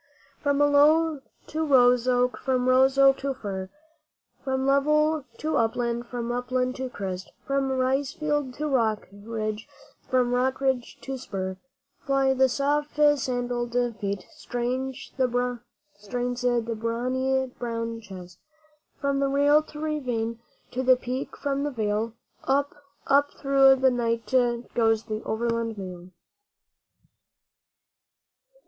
From aloe to rose oak, from rose oak to fir, From level to upland, from upland to crest, From rice field to rock ridge, from rock ridge to spur, Fly the soft sandalled feet, strains the brawny brown chest. From rail to ravine to the peak from the vale Up, up through the night goes the Overland Mail.